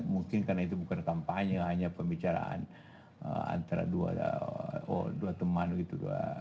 mungkin karena itu bukan kampanye hanya pembicaraan antara dua teman gitu